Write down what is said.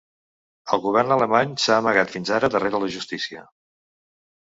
El govern alemany s’ha amagat fins ara darrere la justícia.